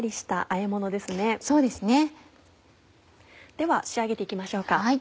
では仕上げて行きましょうか。